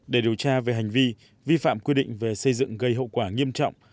để điều tra về hành vi vi phạm quy định về xây dựng gây hậu quả nghiêm trọng